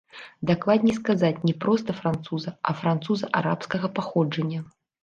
Дакладней сказаць, не проста француза, а француза арабскага паходжання.